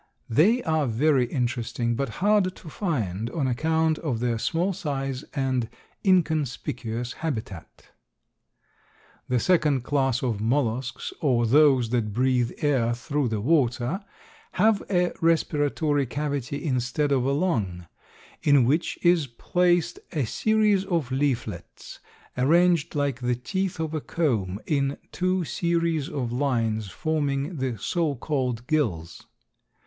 They are very interesting, but hard to find on account of their small size and inconspicuous habitat. The second class of mollusks or those that breathe air through the water, have a respiratory cavity instead of a lung, in which is placed a series of leaflets, arranged like the teeth of a comb in two series of lines, forming the so called gills.